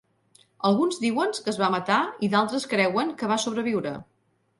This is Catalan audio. Alguns diuen que es va matar i d'altres creuen que va sobreviure.